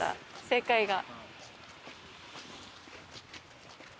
正解が。